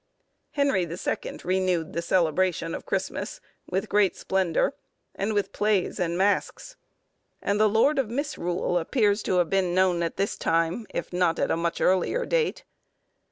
Henry the Second renewed the celebration of Christmas with great splendour, and with plays and masques; and the lord of Misrule appears to have been known at this time, if not at a much earlier date.